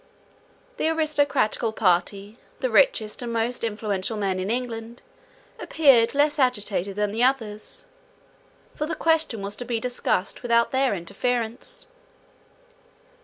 The aristocratical party, the richest and most influential men in England, appeared less agitated than the others, for the question was to be discussed without their interference.